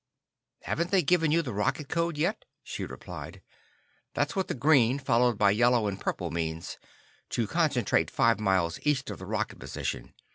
"Haven't they given you the rocket code yet?" she replied. "That's what the green, followed by yellow and purple means; to concentrate five miles east of the rocket position.